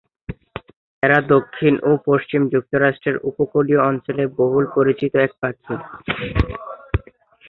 এরা দক্ষিণ ও পশ্চিম যুক্তরাষ্ট্রের উপকূলীয় অঞ্চলের বহুল পরিচিত এক পাখি।